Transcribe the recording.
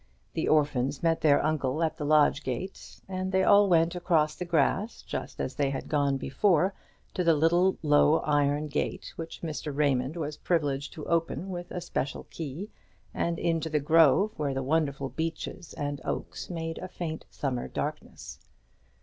The orphans met their uncle at the lodge gate; and they all went across the grass, just as they had gone before, to the little low iron gate which Mr. Raymond was privileged to open with a special key; and into the grove, where the wonderful beeches and oaks made a faint summer darkness.